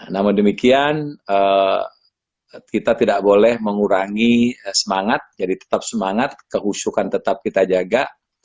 namun demikian kita tidak boleh mengurangi semangat jadi tetap semangat kehusukan tetap kita jaga